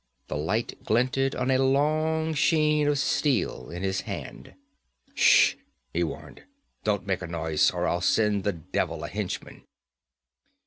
The light glinted on a long sheen of steel in his hand. 'Shhhh!' he warned. 'Don't make a noise, or I'll send the devil a henchman!'